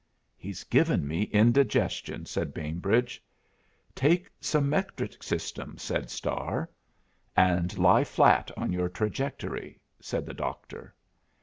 "He's given me indigestion," said Bainbridge. "Take some metric system," said Starr. "And lie flat on your trajectory," said the Doctor.